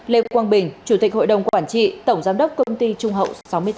lê quang bình chủ tịch hội đồng quản trị tổng giám đốc công ty trung hậu sáu mươi tám